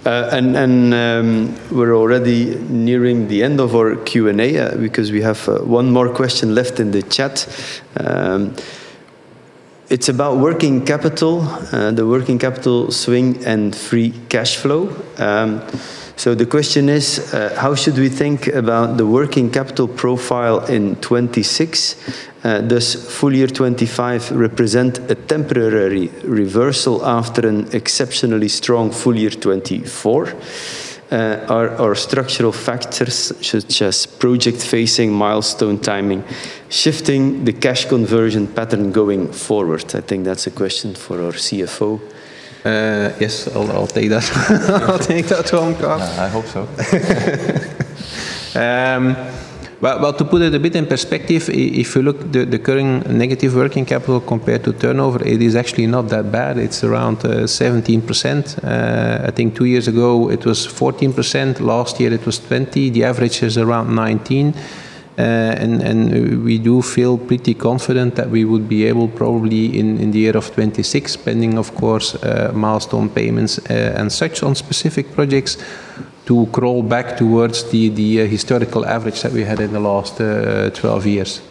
And we're already nearing the end of our Q&A because we have one more question left in the chat. It's about working capital, the working capital swing and free cash flow. The question is: How should we think about the working capital profile in 2026? Does full year 2025 represent a temporary reversal after an exceptionally strong full year 2024? Are structural factors, such as project-facing milestone timing, shifting the cash conversion pattern going forward? I think that's a question for our CFO. Yes, I'll take that. I'll take that one, Carl. Yeah, I hope so. Well, to put it a bit in perspective, if you look, the current negative working capital compared to turnover, it is actually not that bad. It's around 17%. I think 2 years ago it was 14%. Last year it was 20%. The average is around 19%. And we do feel pretty confident that we would be able, probably in 2026, pending, of course, milestone payments and such on specific projects, to crawl back towards the historical average that we had in the last 12 years.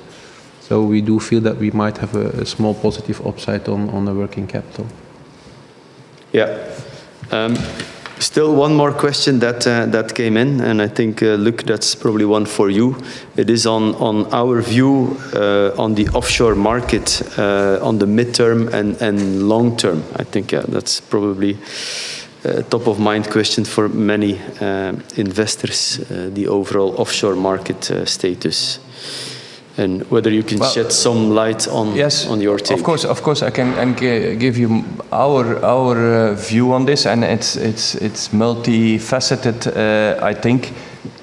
We do feel that we might have a small positive upside on the working capital. Still one more question that came in, and I think, Luc, that's probably one for you. It is on our view, on the offshore market, on the midterm and long term. I think, yeah, that's probably a top-of-mind question for many, investors, the overall offshore market, status, and whether you can. Well. Shed some light on. Yes. On your take. Of course, of course. I can give you our view on this, and it's multifaceted, I think.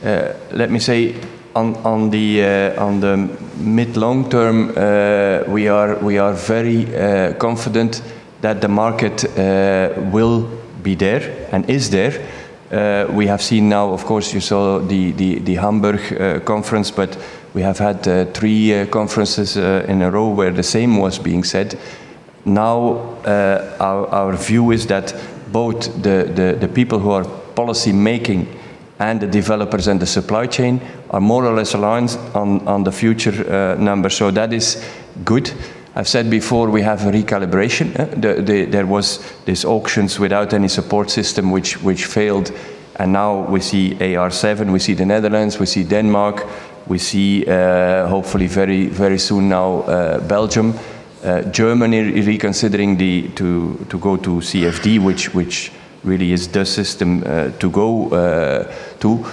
Let me say, on the mid-long term, we are very confident that the market will be there and is there. We have seen now, of course, you saw the Hamburg conference, but we have had three conferences in a row where the same was being said. Now, our view is that both the people who are policy-making and the developers and the supply chain are more or less aligned on the future numbers. That is good. I've said before, we have a recalibration. The there was these auctions without any support system, which failed. Now we see AR7, we see the Netherlands, we see Denmark, we see, hopefully very, very soon now, Belgium. Germany is reconsidering the to go to CFD, which really is the system, to go, to.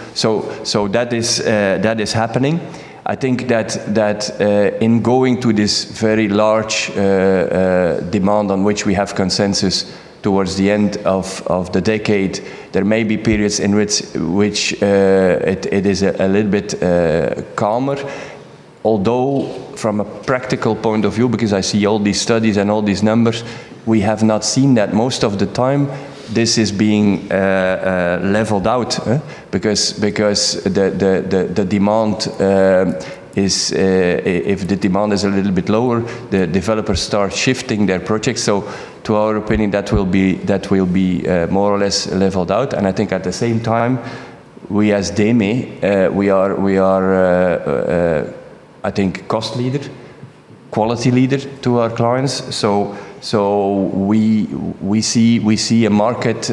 That is happening. I think that in going to this very large, demand on which we have consensus towards the end of the decade, there may be periods in which it is a little bit calmer. Although, from a practical point of view, because I see all these studies and all these numbers, we have not seen that. Most of the time, this is being leveled out because the demand if the demand is a little bit lower, the developers start shifting their projects. To our opinion, that will be more or less leveled out. I think at the same time, we as DEME, we are I think, cost leader, quality leader to our clients. We see a market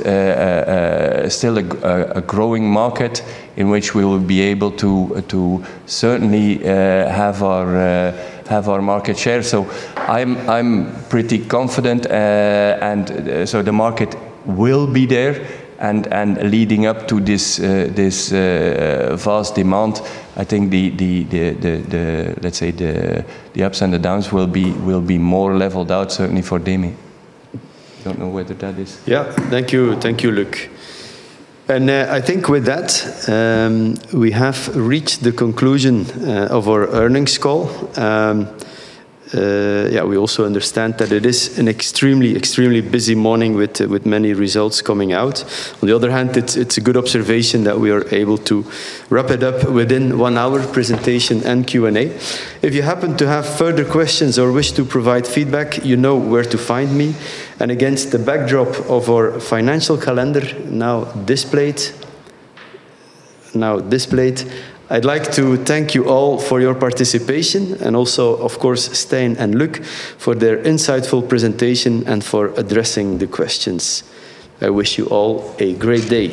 still a growing market in which we will be able to certainly have our market share. I'm pretty confident, and, so the market will be there, and leading up to this vast demand, I think the, let's say, the ups and the downs will be more leveled out, certainly for DEME. I don't know whether that is. Yeah. Thank you. Thank you, Luc. I think with that, we have reached the conclusion of our earnings call. Yeah, we also understand that it is an extremely busy morning with many results coming out. On the other hand, it's a good observation that we are able to wrap it up within one hour presentation and Q&A. If you happen to have further questions or wish to provide feedback, you know where to find me. Against the backdrop of our financial calendar, now displayed, I'd like to thank you all for your participation and also, of course, Stijn and Luc, for their insightful presentation and for addressing the questions. I wish you all a great day.